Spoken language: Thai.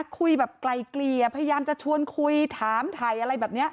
คุยแบบไกลเกลี่ยพยายามจะชวนคุยถามถ่ายอะไรแบบนี้